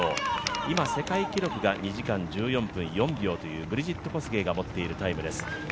今、世界記録が２時間１４分４秒というコスゲイが持っているタイムです。